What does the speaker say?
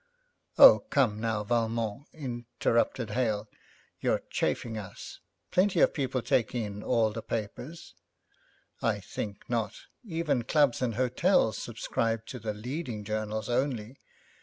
'Oh, come now, Valmont,' interrupted Hale, 'you're chaffing us. Plenty of people take in all the papers!' 'I think not. Even clubs and hotels subscribe to the leading journals only.